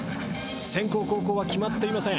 先攻後攻は決まっていません。